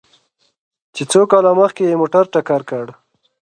چې څو کاله مخکې يې موټر ټکر کړ؟